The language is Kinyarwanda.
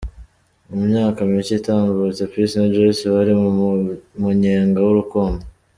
Mu myaka mike itambutse Peace na Joyce bari mu mu munyenga w'urukundo .